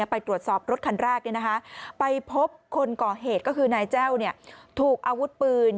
ไปตรวจสอบรถคันแรกไปพบคนก่อเหตุก็คือนายแจ้วถูกอาวุธปืน